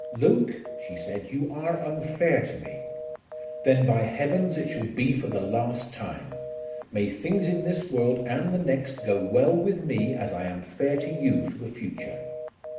"Luke," she said, "you are unfair to me." "Then by heavens it shall be for the last time. May things in this world and the next go well with me as I am fair to you for the future!"